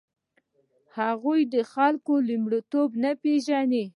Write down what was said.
هغوی د خلکو لومړیتوب نه پېژني.